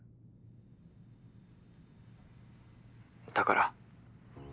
だから。